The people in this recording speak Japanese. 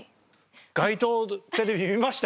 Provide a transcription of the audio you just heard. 街頭テレビ見ました？